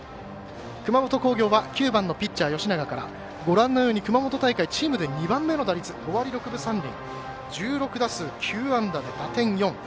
熊本工業は９番のピッチャー吉永から熊本大会チームで２番目の打率５割６分３厘１６打数９安打で打点４。